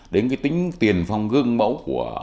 đến cái tính tiền phòng gương mẫu của